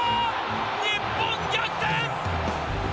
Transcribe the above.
日本、逆転！